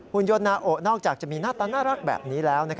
คุณยนนาโอนอกจากจะมีหน้าตาน่ารักแบบนี้แล้ว